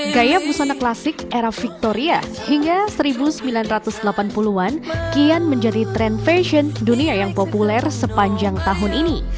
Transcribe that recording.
gaya busana klasik era victoria hingga seribu sembilan ratus delapan puluh an kian menjadi tren fashion dunia yang populer sepanjang tahun ini